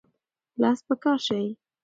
لاس په کار شئ.